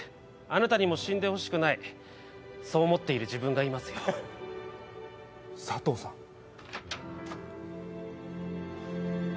あなたにも死んでほしくないそう思っている自分がいますよサトウさん